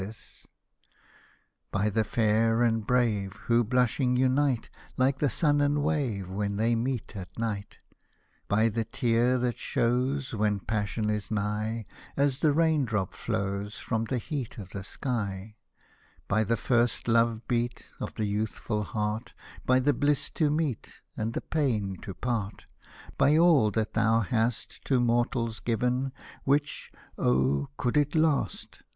Hosted by Google Ii6 LALLA ROOKFI By the fair and brave Who blushing unite, Like the sun and wave, When they meet at night ; By the tear that sho\V^ When passion is nigh, As the rain drop flows From the heat of the sky ; By the first love beat Of the youthful heart, By the bliss to meet, And the pain to part ; By all that thou hast To mortals given, Which — oh, could it last.